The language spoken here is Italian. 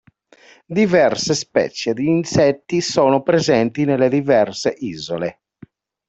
Diverse specie di insetti sono presenti nelle diverse isole.